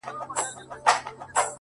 د سلگيو ږغ يې ماته را رسيږي!!